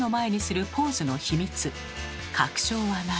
確証はない。